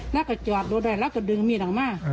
แล้วก็จอดรถได้แล้วก็ดึงมีดออกมา